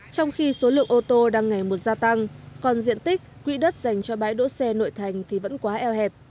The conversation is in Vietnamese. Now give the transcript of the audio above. trong khi số lượng ô tô đang ngày một gia tăng còn diện tích quỹ đất dành cho bãi đỗ xe nội thành thì vẫn quá eo hẹp